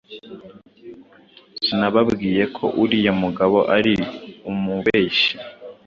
Sinababwiye ko uriya mugabo ari umubeshyi.